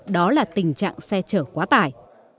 đó là tình trạng xe chở quá tải